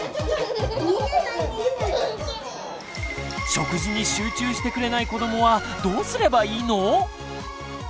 食事に集中してくれない子どもはどうすればいいの？